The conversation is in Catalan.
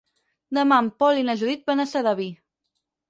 Demà en Pol i na Judit van a Sedaví.